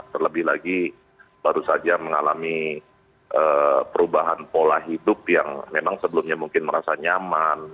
terlebih lagi baru saja mengalami perubahan pola hidup yang memang sebelumnya mungkin merasa nyaman